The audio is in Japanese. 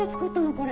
これ。